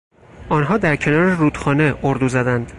آنها در کنار رودخانه اردو زدند.